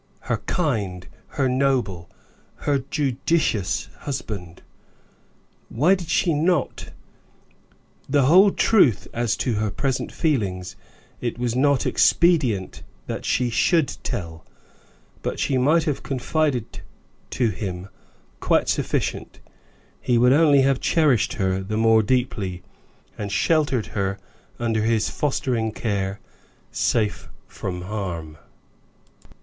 Her kind, her noble, her judicious husband! Why did she not? The whole truth, as to her present feelings, it was not expedient that she should tell, but she might have confided to him quite sufficient. He would only have cherished her the more deeply, and sheltered her under his fostering care, safe from harm.